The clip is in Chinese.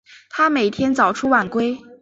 他每天早出晚归